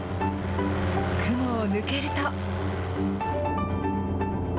雲を抜けると。